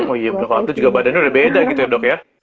oh iya waktu juga badannya udah beda gitu ya dok ya